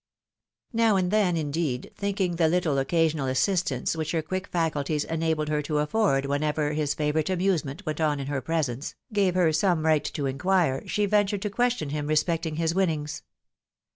Now and then, indeed, thinking the httle occasional assist ance which her quick faculties enabled her to afford whenever his favourite amusement went on in her presence, gave her some right to inquire, she ventured to question him respecting his winnings.